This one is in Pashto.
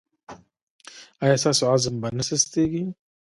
ایا ستاسو عزم به نه سستیږي؟